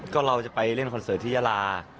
ก็เราจะไปเล่นคอนเสิร์ตที่ยาลา